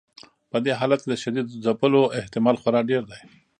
په دې حالت کې د شدید ځپلو احتمال خورا ډیر دی.